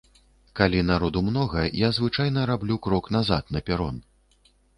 Калі народу многа, я звычайна раблю крок назад на перон.